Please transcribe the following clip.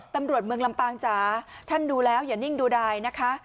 เมืองลำปางจ๋าท่านดูแล้วอย่านิ่งดูดายนะคะ